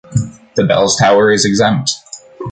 The bells tower is exempt.